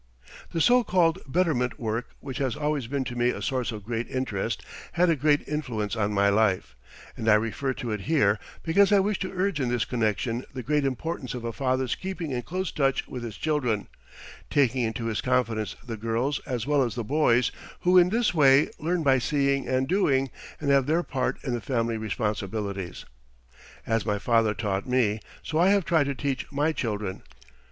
The so called betterment work which has always been to me a source of great interest had a great influence on my life, and I refer to it here because I wish to urge in this connection the great importance of a father's keeping in close touch with his children, taking into his confidence the girls as well as the boys, who in this way learn by seeing and doing, and have their part in the family responsibilities. As my father taught me, so I have tried to teach my children.